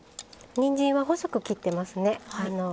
にんじんは細く切ってますね。